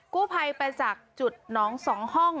กู้ภัยไปจากจุดน้องสองห้อง